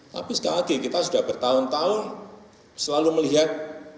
tapi sekali lagi kita sudah bertahun tahun selalu melihat